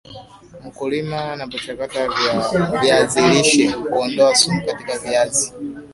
mkulima anapochakata viazilishe Kuondoa sumu katika viazi